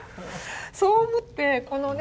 そう思ってこのね